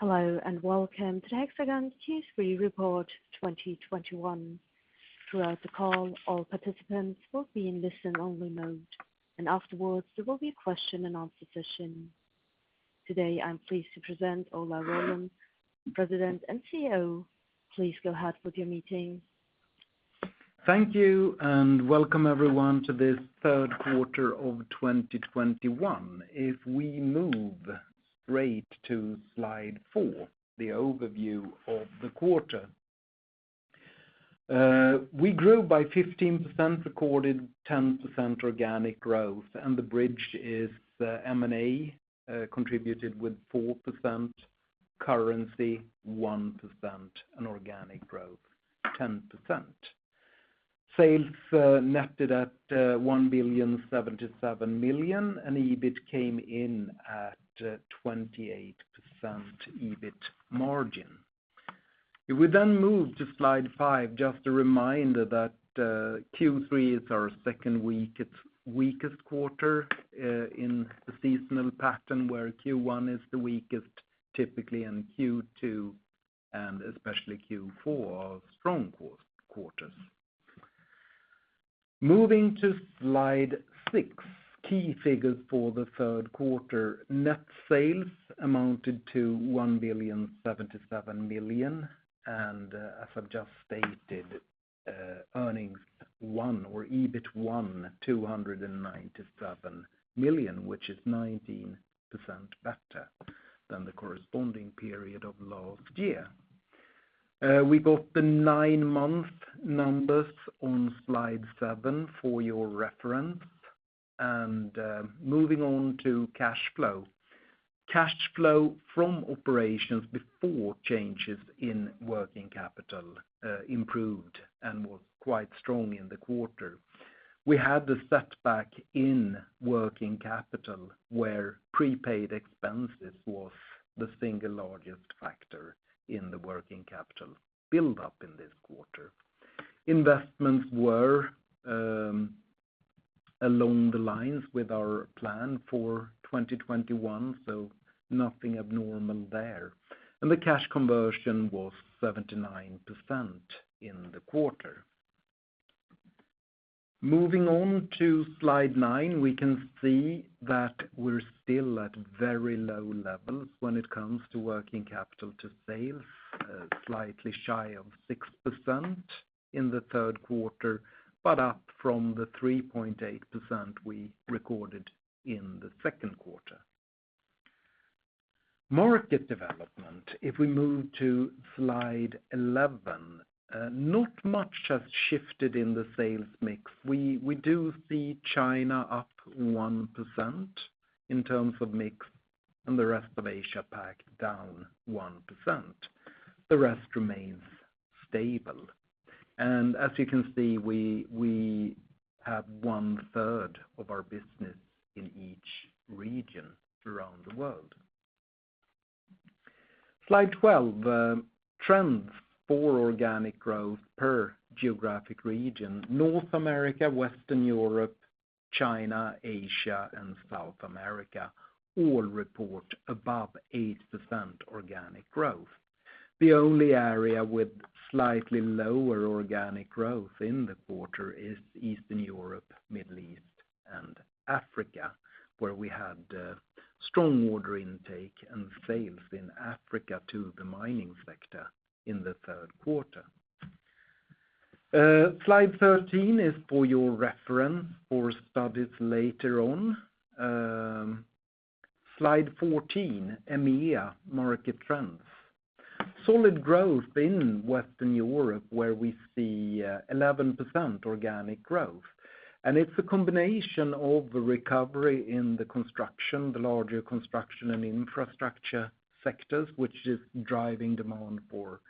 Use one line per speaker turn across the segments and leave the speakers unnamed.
Hello, and welcome to the Hexagon Q3 2021 report. Throughout the call, all participants will be in listen only mode, and afterwards there will be a question and answer session. Today, I'm pleased to present Ola Rollén, President and CEO. Please go ahead with your meeting.
Thank you, and welcome everyone to this third quarter of 2021. If we move straight to slide four, the overview of the quarter. We grew by 15%, recorded 10% organic growth, and the bridge is, M&A contributed with 4%, currency 1%, and organic growth 10%. Sales netted at 1,077,000,000, and EBIT came in at 28% EBIT margin. If we then move to slide five, just a reminder that Q3 is our second weakest quarter in the seasonal pattern, where Q1 is the weakest typically, and Q2 and especially Q4 are strong quarters. Moving to slide six, key figures for the third quarter. Net sales amounted to 1,077,000,000, and as I've just stated, earnings or EBIT 297 million, which is 19% better than the corresponding period of last year. We've got the nine-month numbers on slide seven for your reference. Moving on to cash flow. Cash flow from operations before changes in working capital improved and was quite strong in the quarter. We had a setback in working capital, where prepaid expenses was the single largest factor in the working capital build-up in this quarter. Investments were along the lines with our plan for 2021, so nothing abnormal there. The cash conversion was 79% in the quarter. Moving on to slide nine, we can see that we're still at very low levels when it comes to working capital to sales, slightly shy of 6% in the third quarter, but up from the 3.8% we recorded in the second quarter. Market development, if we move to slide 11. Not much has shifted in the sales mix. We do see China up 1% in terms of mix and the rest of Asia Pacific down 1%. The rest remains stable. As you can see, we have 1/3 of our business in each region around the world. Slide 12, trends for organic growth per geographic region. North America, Western Europe, China, Asia, and South America all report above 8% organic growth. The only area with slightly lower organic growth in the quarter is Eastern Europe, Middle East, and Africa, where we had strong order intake and sales in Africa to the mining sector in the third quarter. Slide 13 is for your reference for studies later on. Slide 14, EMEA market trends. Solid growth in Western Europe where we see 11% organic growth. It's a combination of the recovery in the construction, the larger construction and infrastructure sectors, which is driving demand for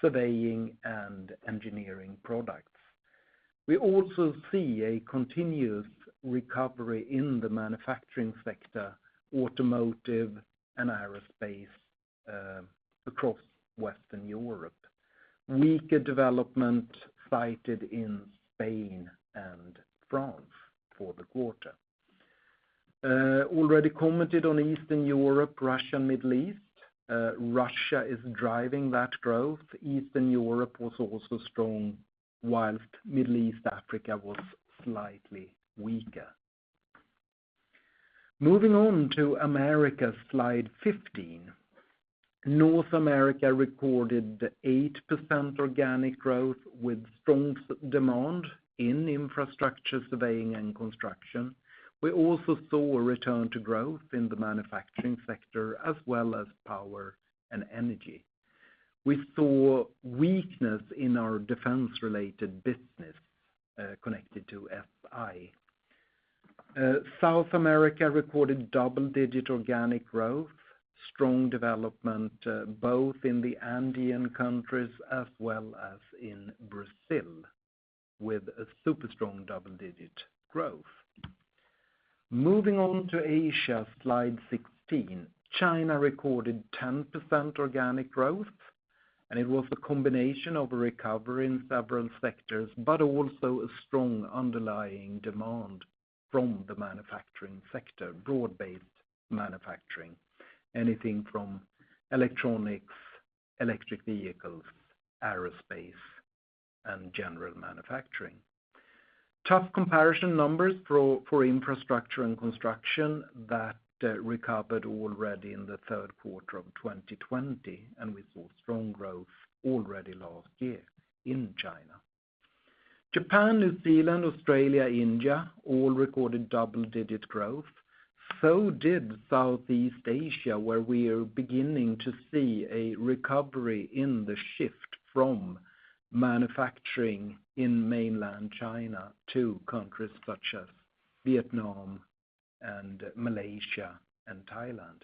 surveying and engineering products. We also see a continuous recovery in the manufacturing sector, automotive and aerospace, across Western Europe. Weaker development cited in Spain and France for the quarter. Already commented on Eastern Europe, Russia, and Middle East. Russia is driving that growth. Eastern Europe was also strong, while Middle East, Africa was slightly weaker. Moving on to America, slide 15. North America recorded 8% organic growth with strong demand in infrastructure, surveying, and construction. We also saw a return to growth in the manufacturing sector, as well as power and energy. We saw weakness in our defense-related business, connected to SI. South America recorded double-digit organic growth. Strong development both in the Andean countries as well as in Brazil, with a super strong double-digit growth. Moving on to Asia, slide 16. China recorded 10% organic growth. It was the combination of a recovery in several sectors, but also a strong underlying demand from the manufacturing sector, broad-based manufacturing, anything from electronics, electric vehicles, aerospace, and general manufacturing. Tough comparison numbers for infrastructure and construction that recovered already in the third quarter of 2020, and we saw strong growth already last year in China. Japan, New Zealand, Australia, India all recorded double-digit growth. Southeast Asia, where we are beginning to see a recovery in the shift from manufacturing in mainland China to countries such as Vietnam and Malaysia and Thailand.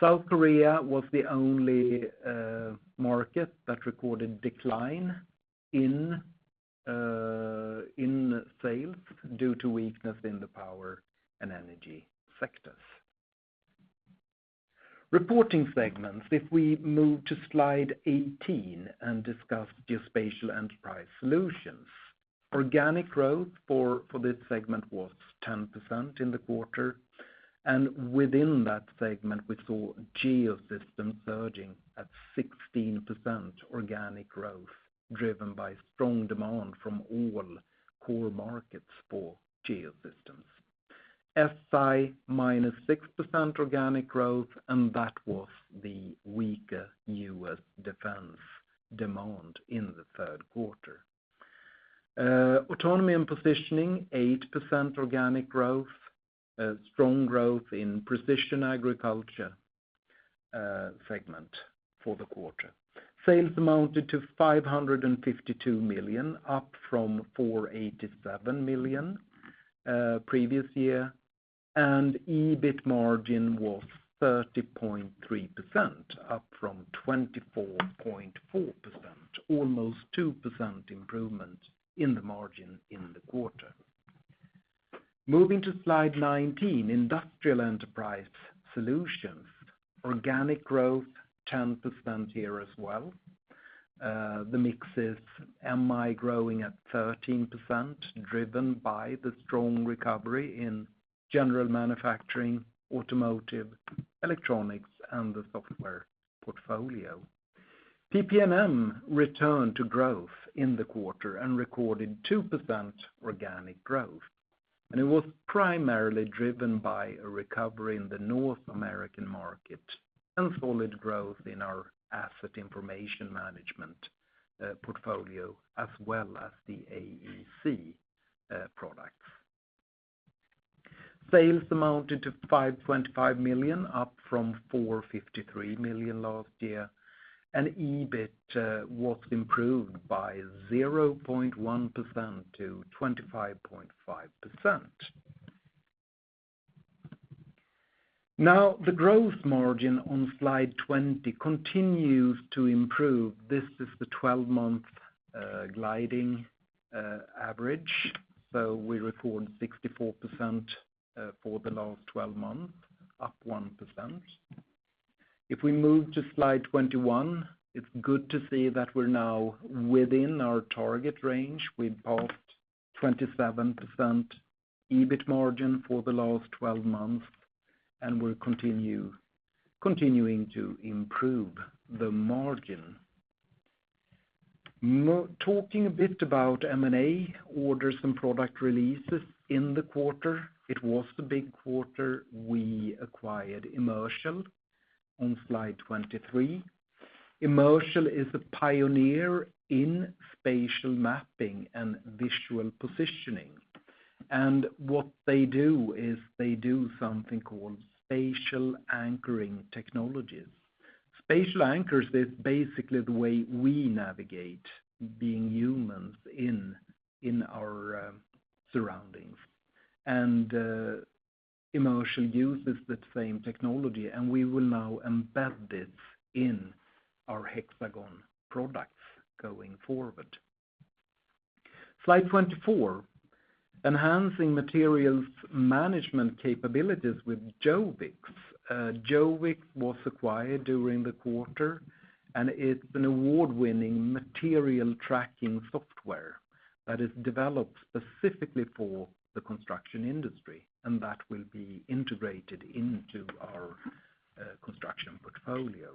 South Korea was the only market that recorded decline in sales due to weakness in the power and energy sectors. Reporting segments, if we move to slide 18 and discuss Geospatial Enterprise Solutions. Organic growth for this segment was 10% in the quarter, and within that segment, we saw Geosystems surging at 16% organic growth, driven by strong demand from all core markets for Geosystems. SI -6% organic growth, and that was the weaker US defense demand in the third quarter. Autonomy and Positioning 8% organic growth, a strong growth in precision agriculture segment for the quarter. Sales amounted to 552 million, up from 487 million previous year, and EBIT margin was 30.3%, up from 24.4%, almost 2% improvement in the margin in the quarter. Moving to slide 19, Industrial Enterprise Solutions. Organic growth, 10% here as well. The mix is MI growing at 13%, driven by the strong recovery in general manufacturing, automotive, electronics, and the software portfolio. PP&M returned to growth in the quarter and recorded 2% organic growth. It was primarily driven by a recovery in the North American market and solid growth in our asset information management portfolio, as well as the AEC products. Sales amounted to 525 million, up from 453 million last year, and EBIT was improved by 0.1% to 25.5%. Now, the gross margin on slide 20 continues to improve. This is the 12-month rolling average. So we record 64% for the last 12 months, up 1%. If we move to slide 21, it's good to see that we're now within our target range. We passed 27% EBIT margin for the last 12 months, and we're continuing to improve the margin. Talking a bit about M&A orders and product releases in the quarter, it was a big quarter. We acquired Immersal on slide 23. Immersal is a pioneer in spatial mapping and visual positioning, and what they do is they do something called spatial anchoring technologies. Spatial anchors is basically the way we navigate being humans in our surroundings. Immersal uses the same technology, and we will now embed this in our Hexagon products going forward. Slide 24, enhancing materials management capabilities with Jovix. Jovix was acquired during the quarter, and it's an award-winning material tracking software that is developed specifically for the construction industry, and that will be integrated into our construction portfolio.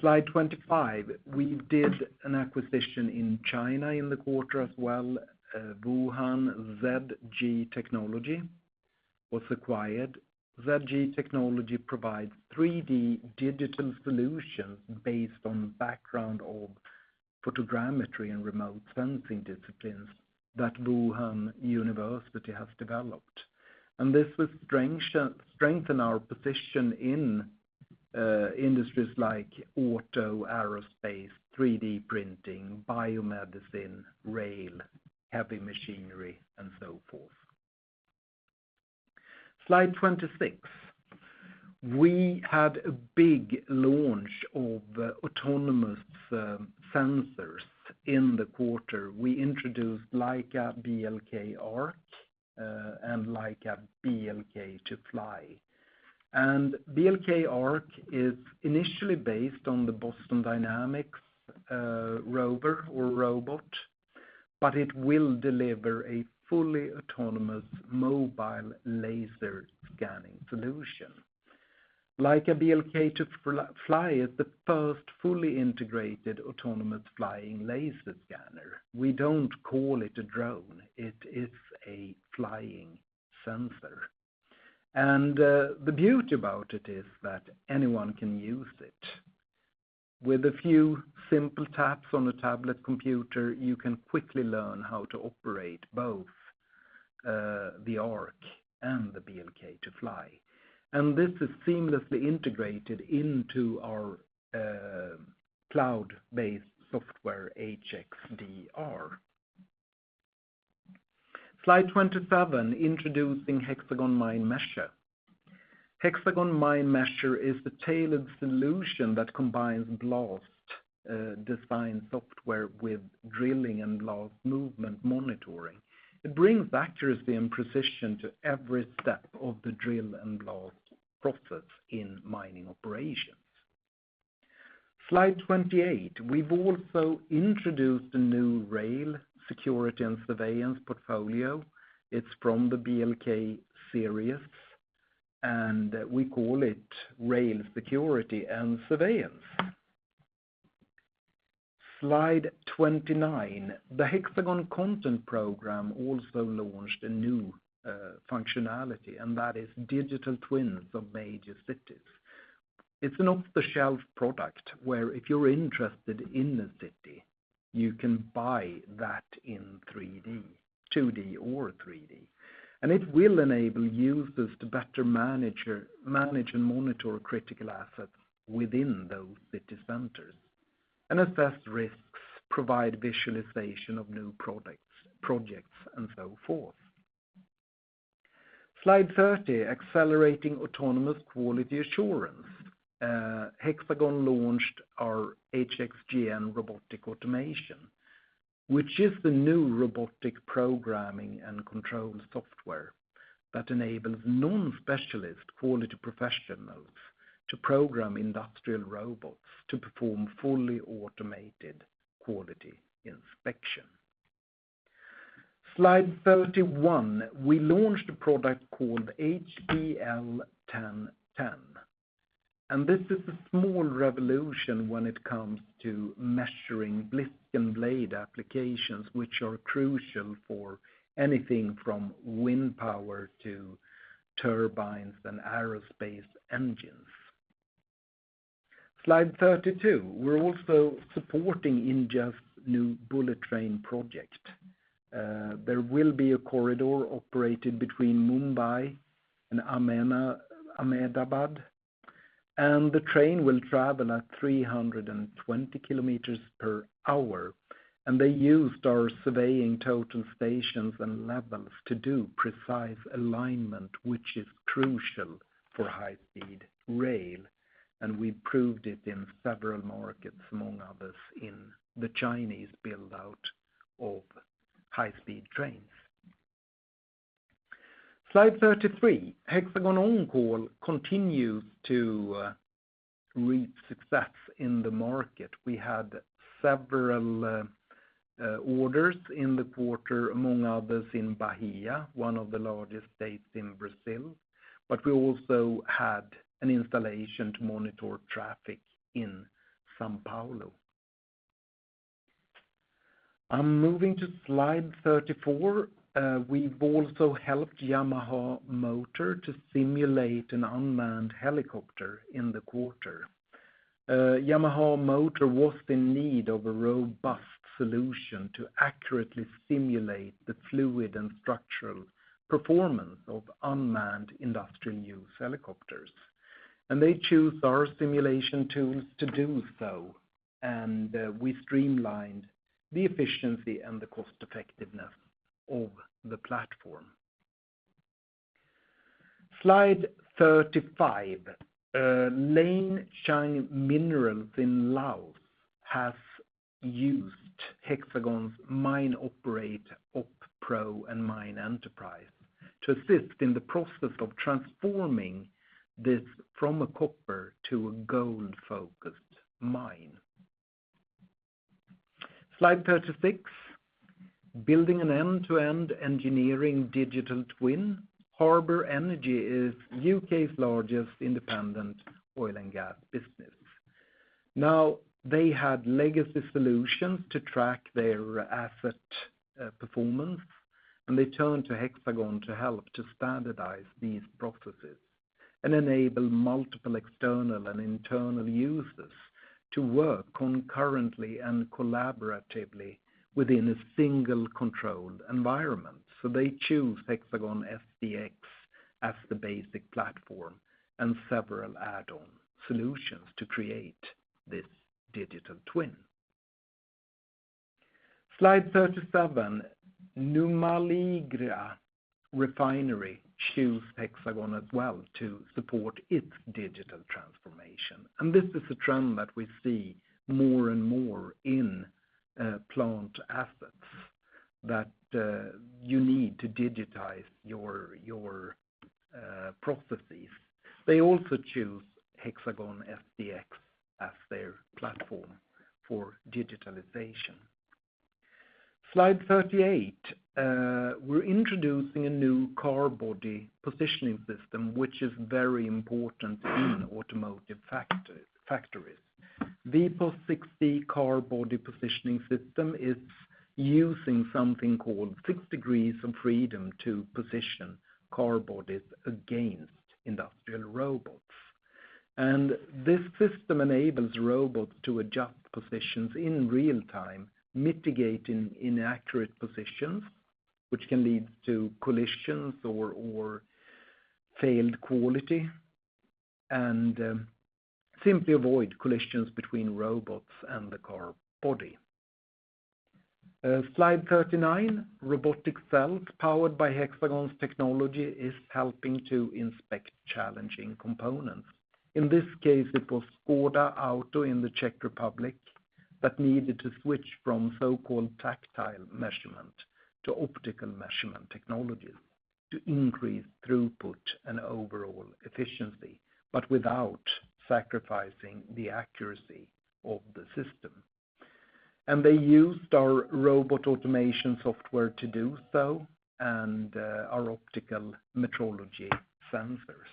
Slide 25, we did an acquisition in China in the quarter as well. Wuhan ZG Technology was acquired. ZG Technology provides 3D digital solutions based on background of photogrammetry and remote sensing disciplines that Wuhan University has developed. This will strengthen our position in industries like auto, aerospace, 3D printing, biomedicine, rail, heavy machinery, and so forth. Slide 26, we had a big launch of autonomous sensors in the quarter. We introduced Leica BLK ARC and Leica BLK2FLY. BLK ARC is initially based on the Boston Dynamics rover or robot, but it will deliver a fully autonomous mobile laser scanning solution. Leica BLK2FLY, it's the first fully integrated autonomous flying laser scanner. We don't call it a drone. It is a flying sensor. The beauty about it is that anyone can use it. With a few simple taps on a tablet computer, you can quickly learn how to operate both the BLK ARC and the BLK2FLY. This is seamlessly integrated into our cloud-based software, HxDR. Slide 27, introducing Hexagon Mine Mesher. Hexagon Mine Mesher is a tailored solution that combines blast design software with drilling and blast movement monitoring. It brings accuracy and precision to every step of the drill and blast process in mining operations. Slide 28, we've also introduced a new rail security and surveillance portfolio. It's from the BLK series, and we call it Rail Security and Surveillance. Slide 29, the HxGN Content Program also launched a new functionality, and that is digital twins of major cities. It's an off-the-shelf product, where if you're interested in a city, you can buy that in 3D, 2D or 3D. It will enable users to better manage and monitor critical assets within those city centers and assess risks, provide visualization of new products, projects and so forth. Slide 30, accelerating autonomous quality assurance. Hexagon launched our HxGN Robotic Automation, which is the new robotic programming and control software that enables non-specialist quality professionals to program industrial robots to perform fully automated quality inspection. Slide 31, we launched a product called HP-L-10.10, and this is a small revolution when it comes to measuring blades and blade applications, which are crucial for anything from wind power to turbines and aerospace engines. Slide 32, we're also supporting India's new bullet train project. There will be a corridor operated between Mumbai and Ahmedabad, and the train will travel at 320 kilometers per hour. They used our surveying total stations and levels to do precise alignment, which is crucial for high-speed rail. We proved it in several markets, among others, in the Chinese build-out of high-speed trains. Slide 33, HxGN OnCall continued to reap success in the market. We had several orders in the quarter, among others in Bahia, one of the largest states in Brazil. We also had an installation to monitor traffic in São Paulo. I'm moving to slide 34. We've also helped Yamaha Motor to simulate an unmanned helicopter in the quarter. Yamaha Motor was in need of a robust solution to accurately simulate the fluid and structural performance of unmanned industrial use helicopters. They chose our simulation tools to do so, and we streamlined the efficiency and the cost effectiveness of the platform. Slide 35, Lane Xang Minerals in Laos has used Hexagon's MineOperate OP Pro and MinePlan Enterprise to assist in the process of transforming this from a copper to a gold-focused mine. Slide 36, building an end-to-end engineering digital twin. Harbour Energy is U.K.'s largest independent oil and gas business. They had legacy solutions to track their asset performance, and they turned to Hexagon to help to standardize these processes and enable multiple external and internal users to work concurrently and collaboratively within a single controlled environment. They chose Hexagon SDx as the basic platform and several add-on solutions to create this digital twin. Slide 37, Numaligarh Refinery chose Hexagon as well to support its digital transformation. This is a trend that we see more and more in plant assets that you need to digitize your processes. They also choose Hexagon SDx as their platform for digitalization. Slide 38. We're introducing a new car body positioning system, which is very important in automotive factories. VPOS 60 car body positioning system is using something called six degrees of freedom to position car bodies against industrial robots. This system enables robots to adjust positions in real time, mitigating inaccurate positions which can lead to collisions or failed quality and simply avoid collisions between robots and the car body. Slide 39. Robotic cells powered by Hexagon's technology is helping to inspect challenging components. In this case, it was Škoda Auto in the Czech Republic that needed to switch from so-called tactile measurement to optical measurement technologies to increase throughput and overall efficiency, but without sacrificing the accuracy of the system. They used our robot automation software to do so and our optical metrology sensors.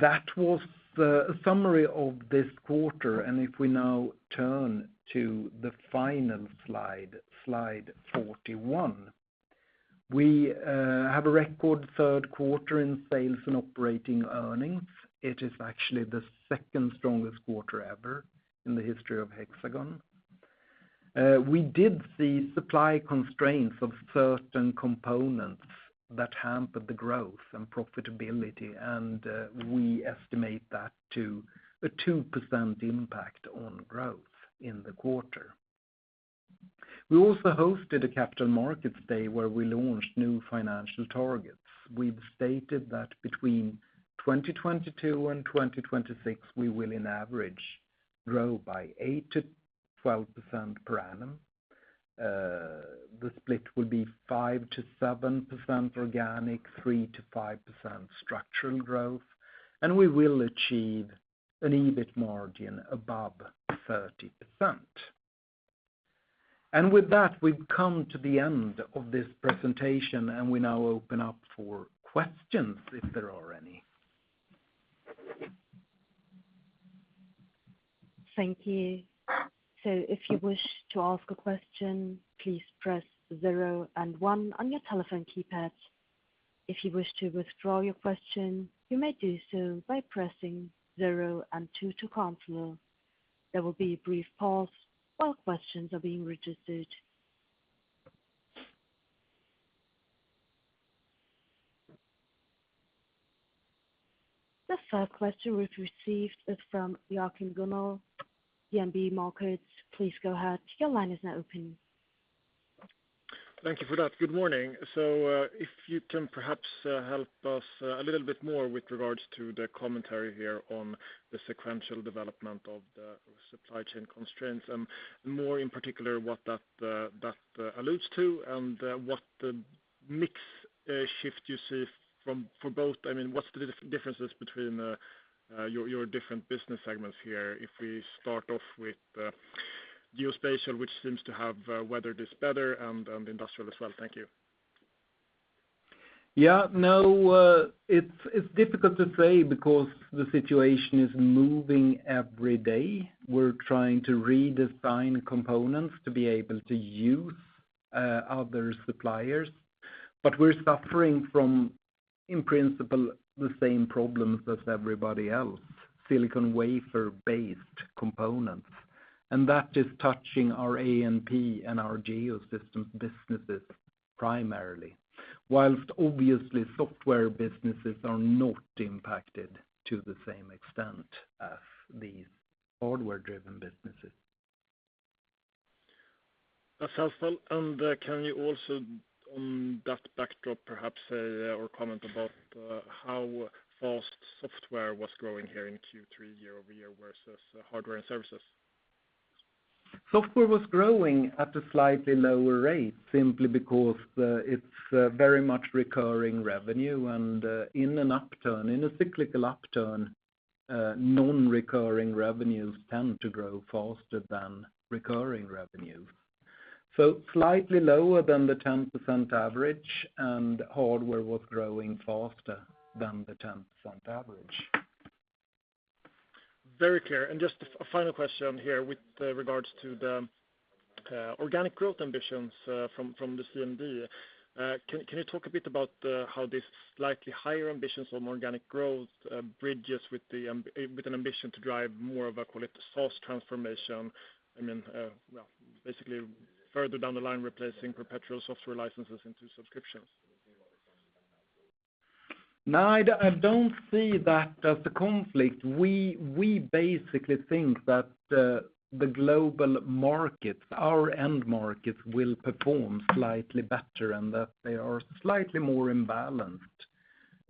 That was the summary of this quarter, and if we now turn to the final slide 41. We have a record third quarter in sales and operating earnings. It is actually the second strongest quarter ever in the history of Hexagon. We did see supply constraints of certain components that hampered the growth and profitability, and we estimate that to a 2% impact on growth in the quarter. We also hosted a Capital Markets Day where we launched new financial targets. We've stated that between 2022 and 2026, we will on average grow by 8%-12% per annum. The split will be 5%-7% organic, 3%-5% structural growth, and we will achieve an EBIT margin above 30%. With that, we've come to the end of this presentation, and we now open up for questions if there are any.
Thank you. If you wish to ask a question, please press zero and one on your telephone keypad. If you wish to withdraw your question, you may do so by pressing zero and two to cancel. There will be a brief pause while questions are being registered. The first question we've received is from Joachim Gunell, DNB Markets. Please go ahead. Your line is now open.
Thank you for that. Good morning. If you can perhaps help us a little bit more with regards to the commentary here on the sequential development of the supply chain constraints, more in particular, what that alludes to and what the mix shift you see for both. I mean, what's the differences between your different business segments here? If we start off with geospatial, which seems to have weathered this better, and industrial as well. Thank you.
Yeah, no, it's difficult to say because the situation is moving every day. We're trying to redesign components to be able to use other suppliers, but we're suffering from, in principle, the same problems as everybody else, silicon wafer-based components. That is touching our A&P and our Geosystems businesses primarily. While obviously software businesses are not impacted to the same extent as these hardware-driven businesses.
That's helpful. Can you also on that backdrop perhaps, or comment about how fast software was growing here in Q3 year-over-year versus hardware and services?
Software was growing at a slightly lower rate simply because it's very much recurring revenue. In an upturn, in a cyclical upturn, non-recurring revenues tend to grow faster than recurring revenue. Slightly lower than the 10% average, and hardware was growing faster than the 10% average.
Very clear. Just a final question here with regards to the organic growth ambitions from the CMD. Can you talk a bit about how this slightly higher ambitions on organic growth bridges with an ambition to drive more of, call it, the SaaS transformation? I mean, well, basically further down the line, replacing perpetual software licenses into subscriptions.
No, I don't see that as a conflict. We basically think that the global markets, our end markets, will perform slightly better and that they are slightly more imbalanced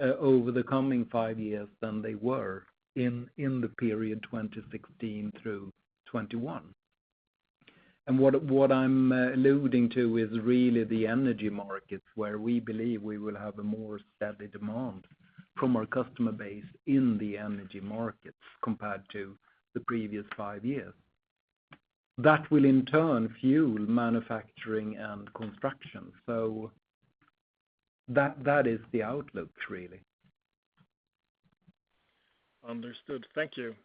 over the coming five years than they were in the period 2016 through 2021. What I'm alluding to is really the energy markets where we believe we will have a more steady demand from our customer base in the energy markets compared to the previous five years. That will in turn fuel manufacturing and construction. That is the outlook, really.
Understood. Thank you.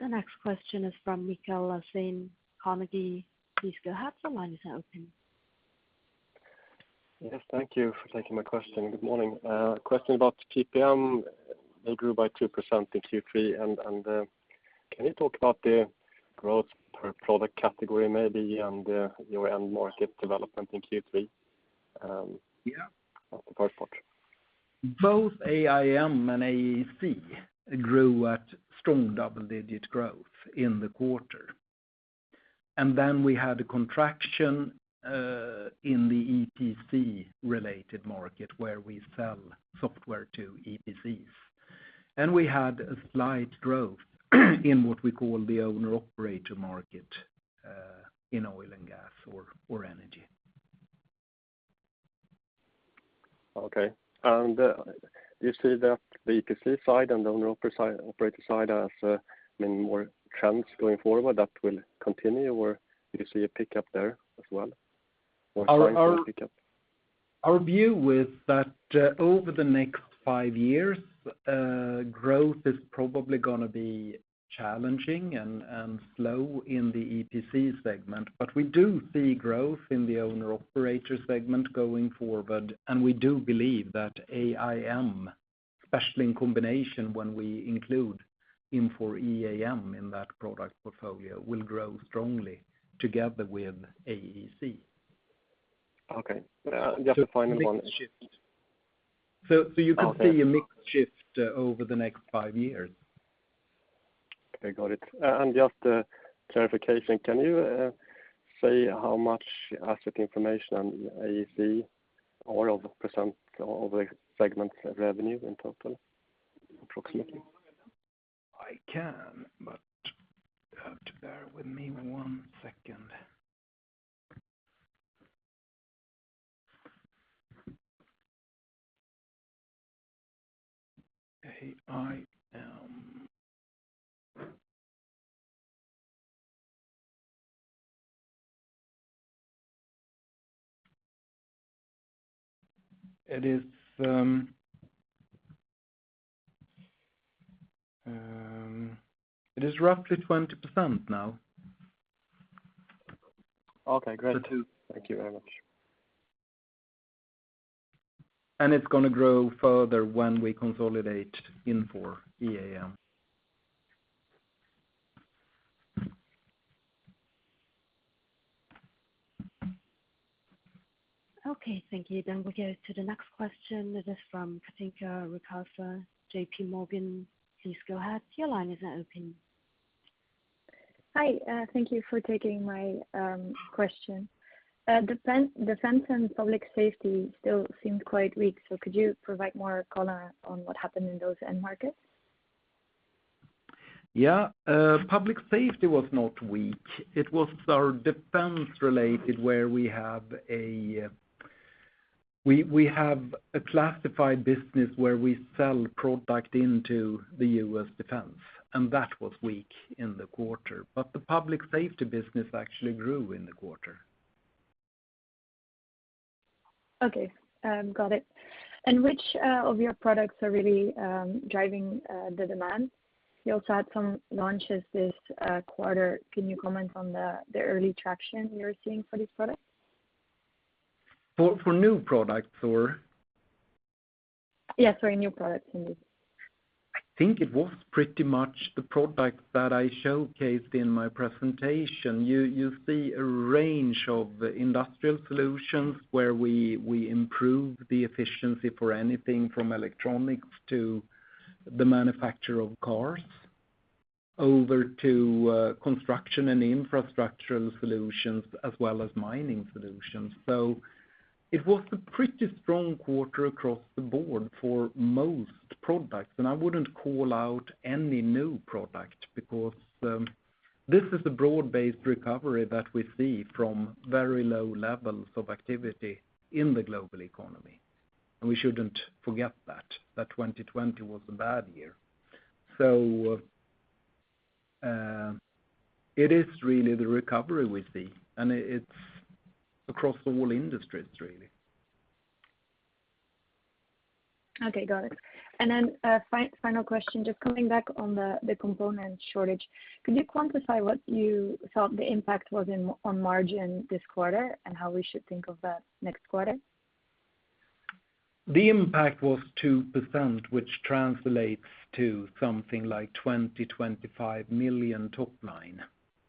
The next question is from Mikael Laséen, Carnegie. Please go ahead, your line is open.
Yes, thank you for taking my question. Good morning. A question about PPM. They grew by 2% in Q3. Can you talk about the growth per product category maybe and your end market development in Q3?
Yeah
That's the first part.
Both AIM and AEC grew at strong double-digit growth in the quarter. Then we had a contraction in the EPC-related market where we sell software to EPCs. We had a slight growth in what we call the owner/operator market in oil and gas or energy.
Okay. You see that the EPC side and the owner operator side as I mean more trends going forward that will continue, or you see a pickup there as well? Or signs of a pickup.
Our view is that over the next five years, growth is probably gonna be challenging and slow in the EPC segment. We do see growth in the owner/operator segment going forward, and we do believe that AIM, especially in combination when we include Infor EAM in that product portfolio, will grow strongly together with AEC.
Okay. Just a final one.
You can see a mix shift over the next five years.
Okay, got it. Just a clarification. Can you say how much asset information on AEC or what percent of the segment revenue in total, approximately?
I can, but you have to bear with me one second. AIM. It is roughly 20% now.
Okay, great.
The two.
Thank you very much.
It's gonna grow further when we consolidate Infor EAM.
Okay, thank you. We'll go to the next question. It is from Kathinka de Kuyper, JPMorgan. Please go ahead. Your line is now open.
Hi, thank you for taking my question. Defense and public safety still seems quite weak. Could you provide more color on what happened in those end markets?
Yeah. Public safety was not weak. It was our defense-related where we have a classified business where we sell product into the U.S. defense, and that was weak in the quarter. The public safety business actually grew in the quarter.
Okay. Got it. Which of your products are really driving the demand? You also had some launches this quarter. Can you comment on the early traction you're seeing for these products?
For new products or?
Yeah, sorry, new products. Indeed.
I think it was pretty much the product that I showcased in my presentation. You see a range of industrial solutions where we improve the efficiency for anything from electronics to the manufacture of cars over to construction and infrastructure solutions as well as mining solutions. It was a pretty strong quarter across the board for most products. I wouldn't call out any new product because this is a broad-based recovery that we see from very low levels of activity in the global economy. We shouldn't forget that 2020 was a bad year. It is really the recovery we see, and it's across the whole industries.
Okay, got it. Then, final question, just coming back on the component shortage. Could you quantify what you thought the impact was on margin this quarter and how we should think of that next quarter?
The impact was 2%, which translates to something like 20 million, 25 million top line.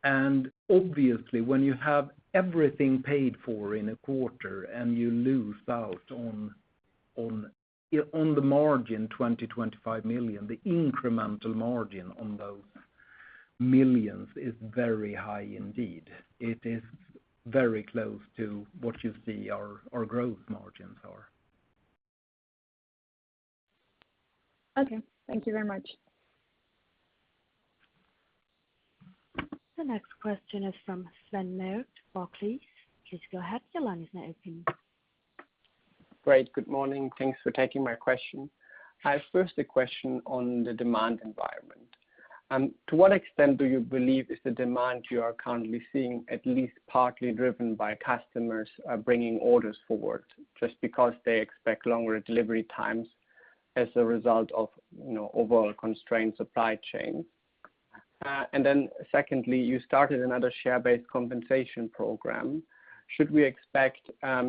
Obviously, when you have everything paid for in a quarter and you lose out on the margin 20 million, 25 million, the incremental margin on those millions is very high indeed. It is very close to what you see our growth margins are.
Okay, thank you very much.
The next question is from Sven Merkt, Barclays. Please go ahead, your line is now open.
Great. Good morning. Thanks for taking my question. I have first a question on the demand environment. To what extent do you believe is the demand you are currently seeing at least partly driven by customers bringing orders forward just because they expect longer delivery times as a result of you know overall constrained supply chain? And then secondly, you started another share-based compensation program. Should we expect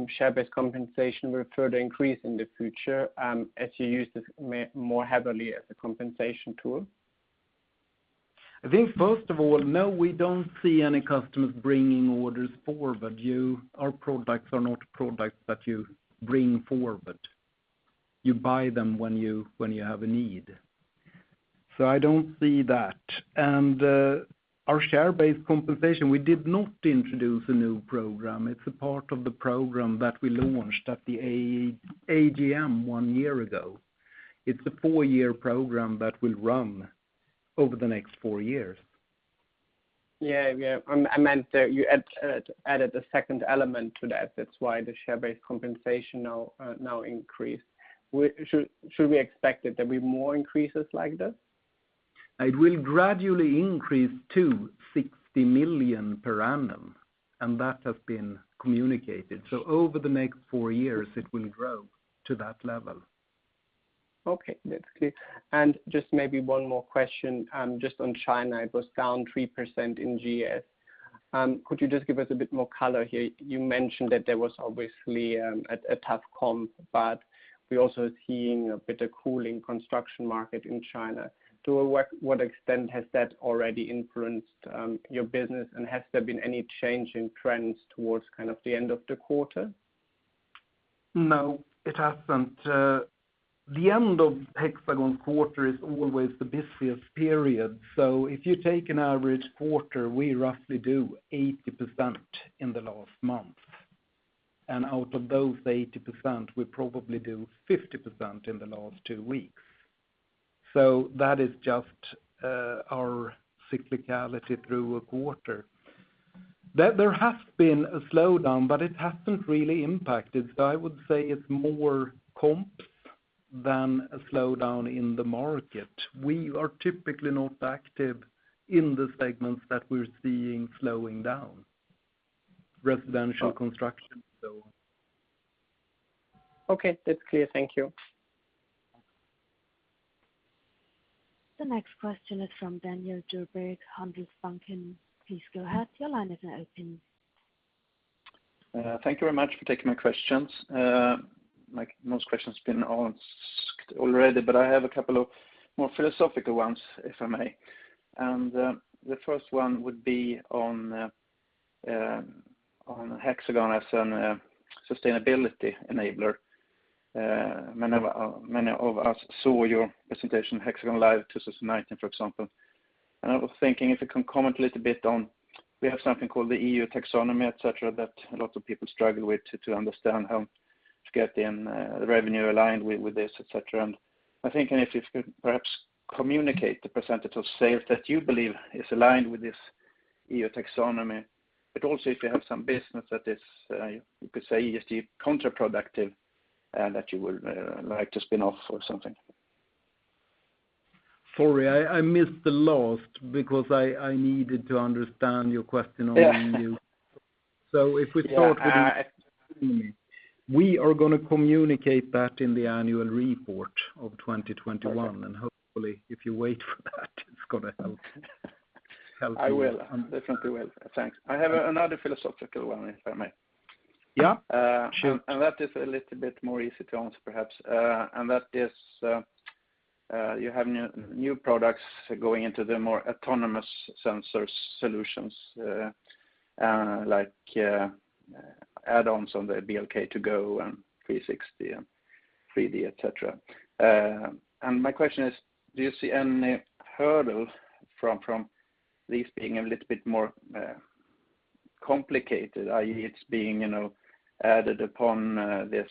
share-based compensation to further increase in the future as you use this more heavily as a compensation tool?
I think first of all, no, we don't see any customers bringing orders forward. Our products are not products that you bring forward. You buy them when you have a need. So I don't see that. Our share-based compensation, we did not introduce a new program. It's a part of the program that we launched at the AGM one year ago. It's a four-year program that will run over the next four years.
Yeah. Yeah. I meant that you added a second element to that. That's why the share-based compensation now increased. Should we expect that there'll be more increases like this?
It will gradually increase to 60 million per annum, and that has been communicated. Over the next four years, it will grow to that level.
Okay, that's clear. Just maybe one more question, just on China. It was down 3% in GES. Could you just give us a bit more color here? You mentioned that there was obviously a tough comp, but we're also seeing a bit of cooling in the construction market in China. What extent has that already influenced your business, and has there been any change in trends towards kind of the end of the quarter?
No, it hasn't. The end of Hexagon's quarter is always the busiest period. If you take an average quarter, we roughly do 80% in the last month, and out of those 80%, we probably do 50% in the last two weeks. That is just our cyclicality through a quarter. There has been a slowdown, but it hasn't really impacted. I would say it's more comps than a slowdown in the market. We are typically not active in the segments that we're seeing slowing down, residential construction.
Okay, that's clear. Thank you.
The next question is from Daniel Djurberg, Handelsbanken. Please go ahead. Your line is now open.
Thank you very much for taking my questions. Like most questions been asked already, but I have a couple of more philosophical ones, if I may. The first one would be on Hexagon as an sustainability enabler. Many of us saw your presentation HxGN LIVE 2019, for example. I was thinking if you can comment a little bit on, we have something called the EU taxonomy, et cetera, that a lot of people struggle with to understand how to get in the revenue aligned with this, et cetera. I'm thinking if you could perhaps communicate the percentage of sales that you believe is aligned with this EU taxonomy, but also if you have some business that is, you could say, is counterproductive, that you would like to spin off or something.
Sorry, I missed the last because I needed to understand your question on EU.
Yeah.
If we start with EU taxonomy, we are gonna communicate that in the annual report of 2021.
Okay.
Hopefully, if you wait for that, it's gonna help you understand.
I will. Definitely will. Thanks. I have another philosophical one, if I may.
Yeah, sure.
That is a little bit more easy to answer perhaps. That is, you have new products going into the more autonomous sensors solutions, like add-ons on the BLK2GO and 360 and 3D, et cetera. My question is, do you see any hurdle from these being a little bit more complicated, i.e., it's being added upon this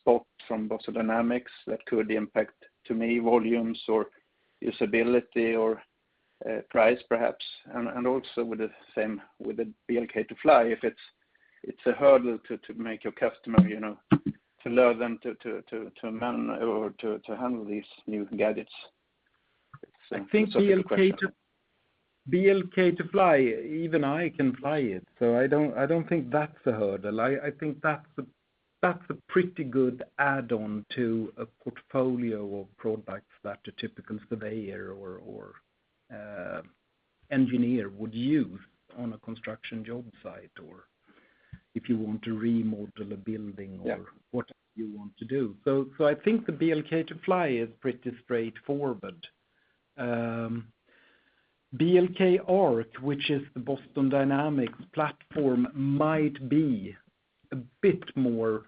Spot from Boston Dynamics that could impact too many volumes or usability or price perhaps? Also with the same with the BLK2FLY, if it's a hurdle to make your customer learn them to man or to handle these new gadgets. Two questions.
I think BLK2FLY, even I can fly it, so I don't think that's a hurdle. I think that's a pretty good add-on to a portfolio of products that a typical surveyor or engineer would use on a construction job site or if you want to remodel a building.
Yeah.
or whatever you want to do. I think the BLK2FLY is pretty straightforward. BLK ARC, which is the Boston Dynamics platform, might be a bit more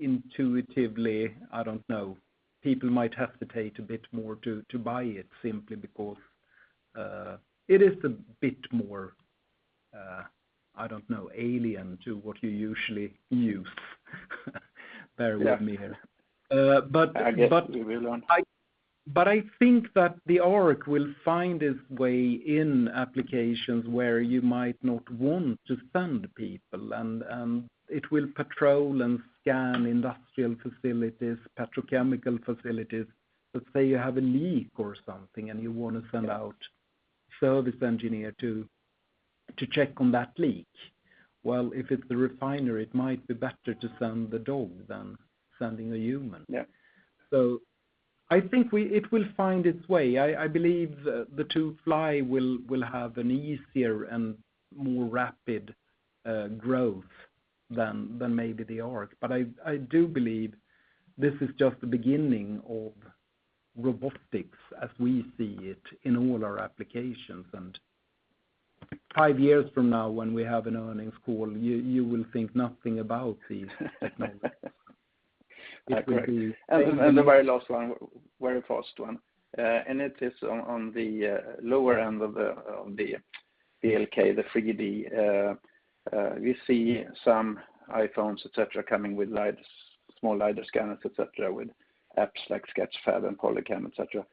intuitively, I don't know. People might hesitate a bit more to buy it simply because it is a bit more, I don't know, alien to what you usually use. Bear with me here.
Yeah.
Uh, but-
I guess we will learn.
I think that the ARC will find its way in applications where you might not want to send people, and it will patrol and scan industrial facilities, petrochemical facilities. Let's say you have a leak or something, and you wanna send out service engineer to check on that leak. Well, if it's the refinery, it might be better to send the dog than sending a human.
Yeah.
I think it will find its way. I believe the BLK2FLY will have an easier and more rapid growth than maybe the BLK ARC. But I do believe this is just the beginning of robotics as we see it in all our applications. Five years from now, when we have an earnings call, you will think nothing about these things. It will be.
The very last one, very fast one, and it is on the lower end of the BLK, the 3D. We see some iPhones, et cetera, coming with lidars, small lidar scanners, et cetera, with apps like Sketchfab and Polycam, et cetera.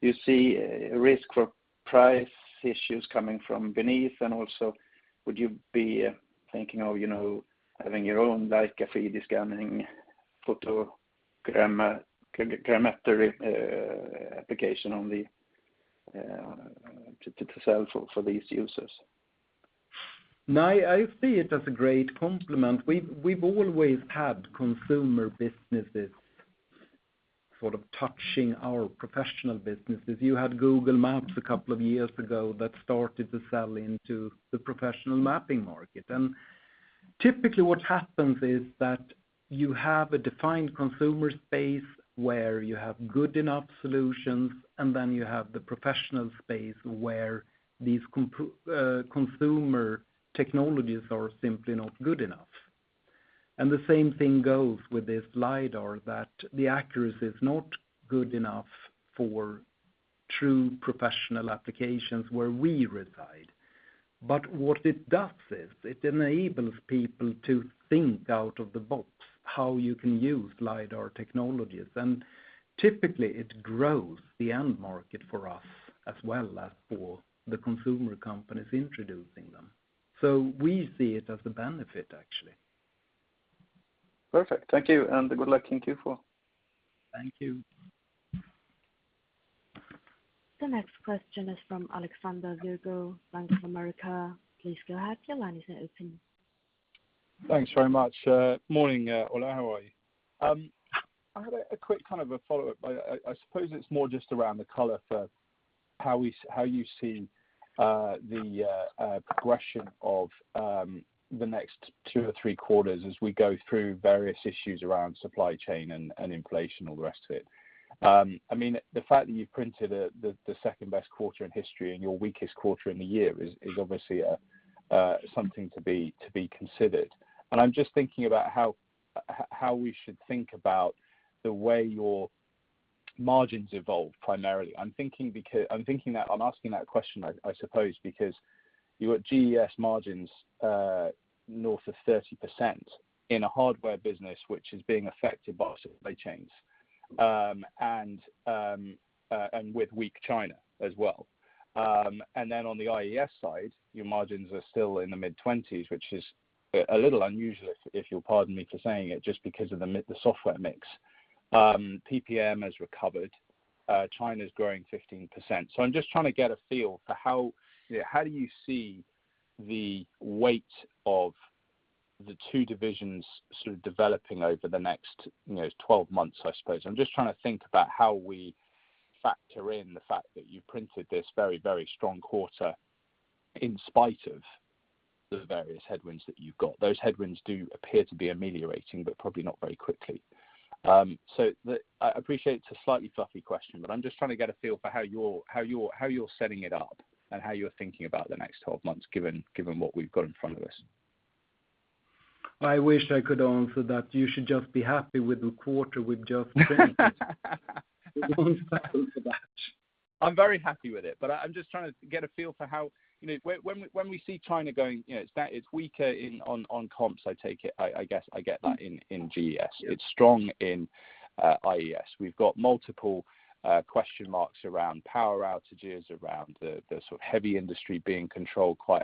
Do you see a risk for price issues coming from beneath? And also, would you be thinking of, you know, having your own Leica 3D scanning photogrammetry application on the to sell for these users?
No, I see it as a great complement. We've always had consumer businesses sort of touching our professional businesses. You had Google Maps a couple of years ago that started to sell into the professional mapping market. Typically, what happens is that you have a defined consumer space where you have good enough solutions, and then you have the professional space where these consumer technologies are simply not good enough. The same thing goes with this lidar, that the accuracy is not good enough for true professional applications where we reside. What it does is, it enables people to think out of the box how you can use lidar technologies. Typically, it grows the end market for us as well as for the consumer companies introducing them. We see it as a benefit, actually.
Perfect. Thank you, and good luck in Q4.
Thank you.
The next question is from Alexander Virgo, Bank of America. Please go ahead. Your line is open.
Thanks very much. Morning, Ola. How are you? I had a quick kind of a follow-up. I suppose it's more just around the color for how you see the progression of the next two or three quarters as we go through various issues around supply chain and inflation, all the rest of it. I mean, the fact that you've printed the second-best quarter in history in your weakest quarter in the year is obviously something to be considered. I'm just thinking about how we should think about the way your margins evolve, primarily. I'm thinking that. I'm asking that question, I suppose, because you're at GES margins north of 30% in a hardware business, which is being affected by supply chains and with weak China as well. On the IES side, your margins are still in the mid-20s, which is a little unusual, if you'll pardon me for saying it, just because of the mid, the software mix. PPM has recovered. China's growing 15%. I'm just trying to get a feel for how, you know, how do you see the weight of the two divisions sort of developing over the next, you know, 12 months, I suppose. I'm just trying to think about how we factor in the fact that you printed this very, very strong quarter in spite of the various headwinds that you've got. Those headwinds do appear to be ameliorating, but probably not very quickly. I appreciate it's a slightly fluffy question, but I'm just trying to get a feel for how you're setting it up and how you're thinking about the next 12 months, given what we've got in front of us.
I wish I could answer that. You should just be happy with the quarter we've just printed. You shouldn't ask for that.
I'm very happy with it, but I'm just trying to get a feel for how you know, when we see China going, you know, it's that, it's weaker in on comps, I take it. I guess I get that in GES.
Yeah.
It's strong in IES. We've got multiple question marks around power outages, around the sort of heavy industry being controlled quite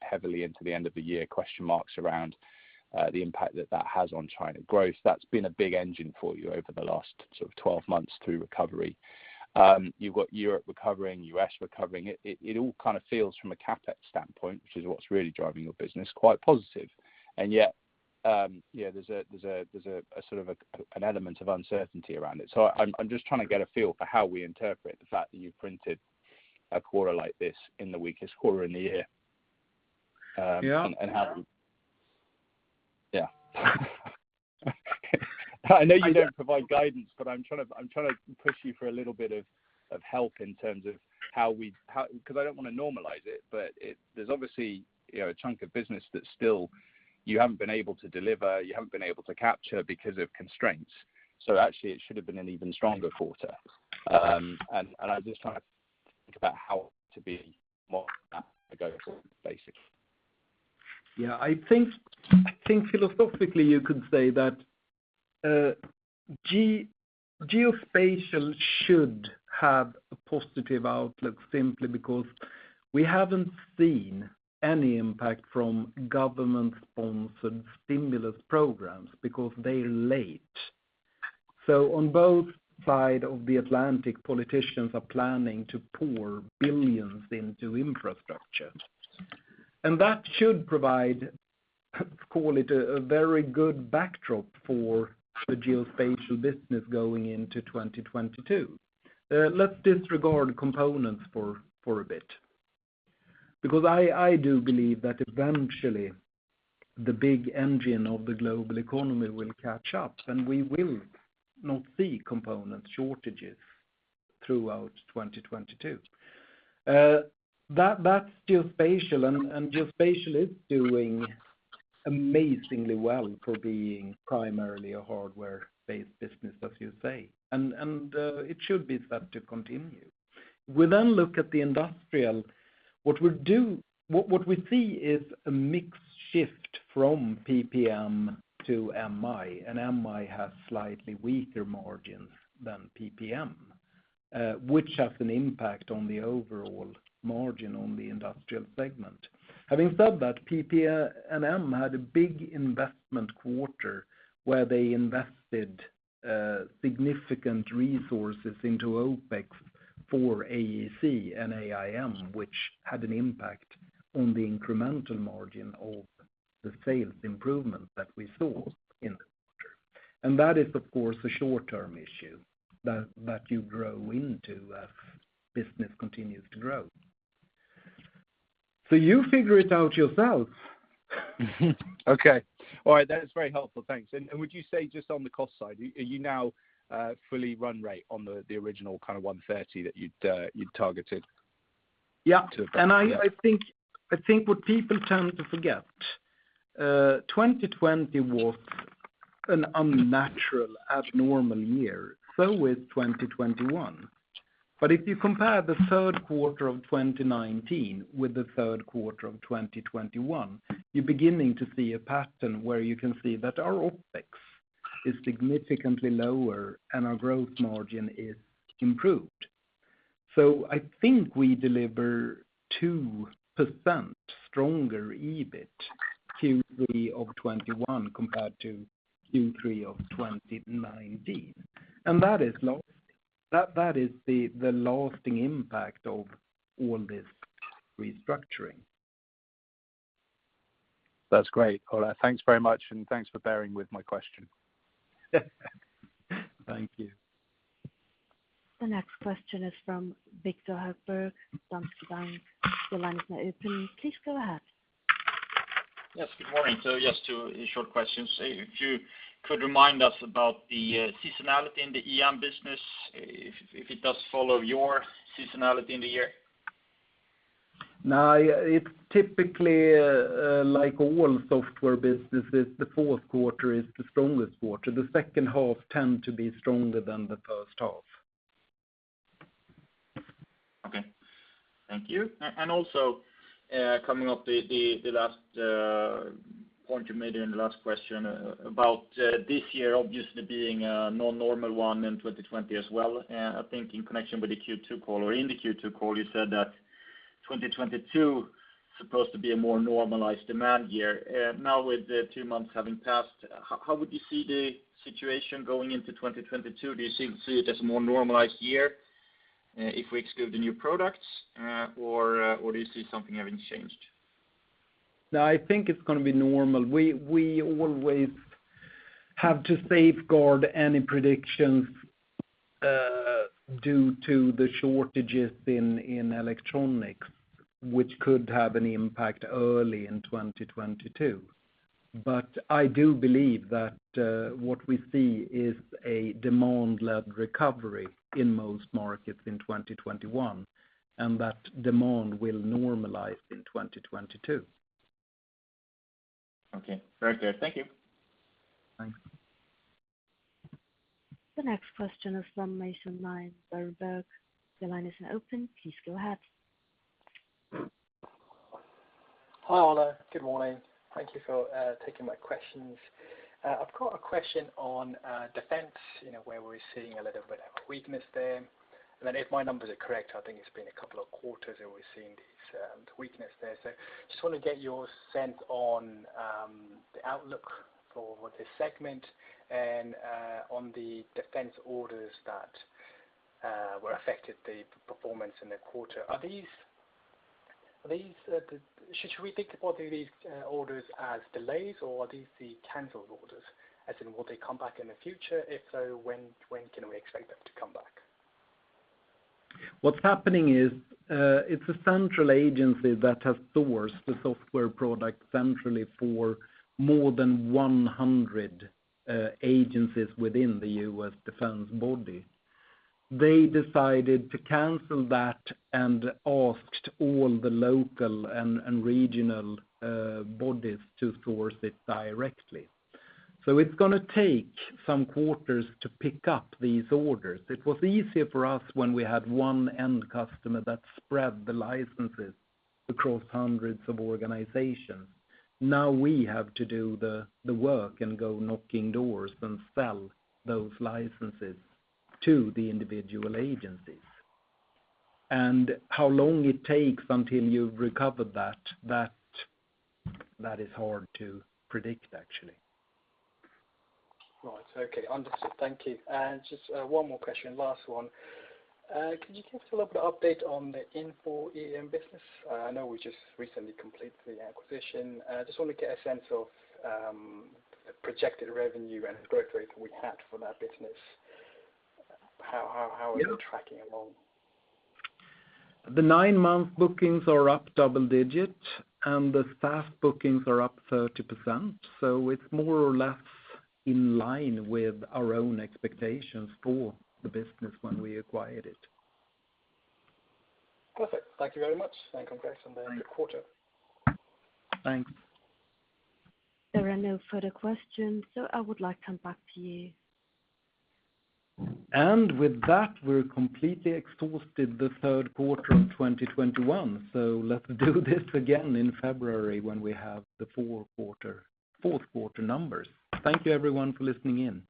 heavily into the end of the year, question marks around the impact that that has on China growth. That's been a big engine for you over the last sort of 12 months through recovery. You've got Europe recovering, U.S. recovering. It all kind of feels from a CapEx standpoint, which is what's really driving your business, quite positive. And yet, yeah, there's a sort of an element of uncertainty around it. I'm just trying to get a feel for how we interpret the fact that you've printed a quarter like this in the weakest quarter in the year, and how
Yeah.
I know you don't provide guidance, but I'm trying to push you for a little bit of help in terms of how 'cause I don't wanna normalize it, but there's obviously, you know, a chunk of business that still you haven't been able to deliver or capture because of constraints. Actually, it should have been an even stronger quarter. I'm just trying to think about how to be more of that going forward, basically.
I think philosophically you could say that geospatial should have a positive outlook simply because we haven't seen any impact from government-sponsored stimulus programs because they're late. On both sides of the Atlantic, politicians are planning to pour billions into infrastructure. That should provide, let's call it a very good backdrop for the Geospatial business going into 2022. Let's disregard components for a bit. I do believe that eventually the big engine of the global economy will catch up, and we will not see component shortages throughout 2022. That's Geospatial and it should be set to continue. We look at the Industrial. What we see is a mix shift from PP&M to MI, and MI has slightly weaker margins than PP&M, which has an impact on the overall margin on the industrial segment. Having said that, PP&M had a big investment quarter where they invested significant resources into OpEx for AEC and AIM, which had an impact on the incremental margin of the sales improvement that we saw in the quarter. That is, of course, a short-term issue that you grow into as business continues to grow. You figure it out yourself.
Okay. All right. That is very helpful. Thanks. Would you say just on the cost side, are you now fully run rate on the original kinda 130 that you'd targeted?
Yeah. I think what people tend to forget, 2020 was an unnatural abnormal year, so is 2021. If you compare the third quarter of 2019 with the third quarter of 2021, you're beginning to see a pattern where you can see that our OpEx is significantly lower and our gross margin is improved. I think we deliver 2% stronger EBIT, Q3 of 2021 compared to Q3 of 2019. That is the lasting impact of all this restructuring.
That's great, Ola. Thanks very much, and thanks for bearing with my question.
Thank you.
The next question is from Victor Husberg, Bank Julius Baer. Your line is now open. Please go ahead.
Yes, good morning. Just two short questions. If you could remind us about the seasonality in the EM business, if it does follow your seasonality in the year.
No, it's typically, like all software businesses, the fourth quarter is the strongest quarter. The second half tend to be stronger than the first half.
Okay. Thank you. And also, coming off the last point you made in the last question about this year obviously being a non-normal one in 2020 as well. I think in connection with the Q2 call or in the Q2 call, you said that 2022 is supposed to be a more normalized demand year. Now with the two months having passed, how would you see the situation going into 2022? Do you see it as a more normalized year, if we exclude the new products, or do you see something having changed?
No, I think it's gonna be normal. We always have to safeguard any predictions due to the shortages in electronics, which could have an impact early in 2022. I do believe that what we see is a demand-led recovery in most markets in 2021, and that demand will normalize in 2022.
Okay. Very clear. Thank you.
Thanks.
The next question is from Nay Soe Naing, Berenberg. Your line is now open. Please go ahead.
Hi, Ola. Good morning. Thank you for taking my questions. I've got a question on defense, you know, where we're seeing a little bit of weakness there. Then if my numbers are correct, I think it's been a couple of quarters that we're seeing this weakness there. Just wanna get your sense on the outlook for this segment and on the defense orders that were affected the performance in the quarter. Should we think about these orders as delays, or are these the canceled orders? As in, will they come back in the future? If so, when can we expect them to come back?
What's happening is, it's a central agency that has sourced the software product centrally for more than 100 agencies within the US defense body. They decided to cancel that and asked all the local and regional bodies to source it directly. It's gonna take some quarters to pick up these orders. It was easier for us when we had one end customer that spread the licenses across hundreds of organizations. Now we have to do the work and go knocking doors and sell those licenses to the individual agencies. How long it takes until you've recovered that is hard to predict, actually.
Right. Okay. Understood. Thank you. Just one more question. Last one. Could you give us a little bit of update on the Infor EAM business? I know we just recently completed the acquisition. I just want to get a sense of the projected revenue and growth rate we had for that business. How is it tracking along?
The 9-month bookings are up double-digit, and the SaaS bookings are up 30%, so it's more or less in line with our own expectations for the business when we acquired it.
Perfect. Thank you very much, and congrats on the end of quarter.
Thanks.
There are no further questions, so I would like to come back to you.
With that, we're completely exhausted the third quarter of 2021. Let's do this again in February when we have the fourth quarter numbers. Thank you everyone for listening in.